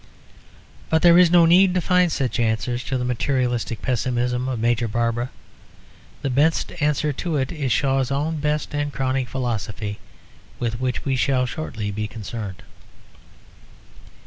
But there is no need to find such answers to the materialistic pessimism of Major Barbara. The best answer to it is in Shaw's own best and crowning philosophy, with which we shall shortly be concerned.